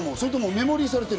メモリーされてる？